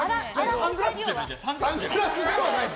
サングラスじゃないの？